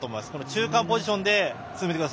中間ポジションで。